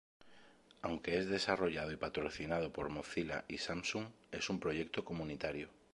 Aunque es desarrollado y patrocinado por Mozilla y Samsung, es un proyecto comunitario.